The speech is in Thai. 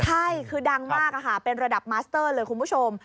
ใช่คือดังมากเป็นระดับมัสเตอร์เลยคุณผู้ชม